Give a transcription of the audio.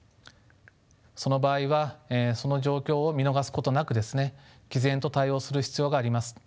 その場合はその状況を見逃すことなくですねきぜんと対応する必要があります。